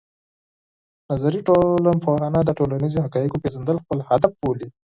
نظري ټولنپوهنه د ټولنیزو حقایقو پېژندل خپل هدف بولي.